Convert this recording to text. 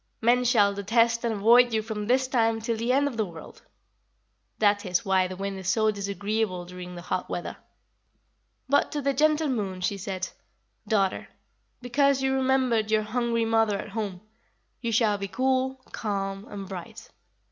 Men shall detest and avoid you from this time till the end of the world.' That is why the wind is so disagreeable during the hot weather. "But to the gentle Moon she said: 'Daughter, because you remembered your hungry mother at home, you shall be cool, calm, and bright.